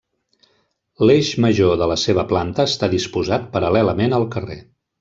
L'eix major de la seva planta està disposat paral·lelament al carrer.